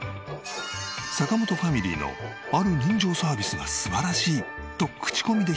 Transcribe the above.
坂本ファミリーのある人情サービスが素晴らしいと口コミで広がり今では。